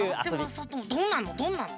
どんなの？